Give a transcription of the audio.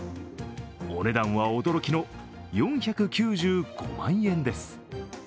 お値段は驚きの４９５万円です。